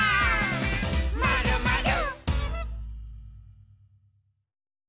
「まるまる」